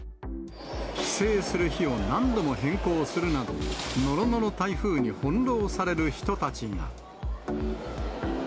帰省する日を何度も変更するなど、のろのろ台風に翻弄される人たちが。